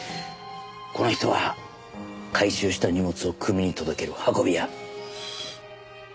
この人は回収した荷物を組に届ける運び屋。